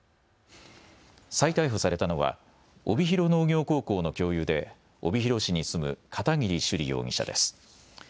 再逮捕されたのは帯広農業高校の教諭で帯広市に住む片桐朱璃容疑者です。